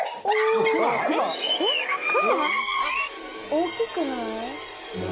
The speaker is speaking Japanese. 大きくない？